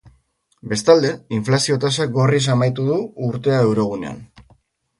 Bestalde, inflazio-tasak gorriz amaitu du urtea eurogunean.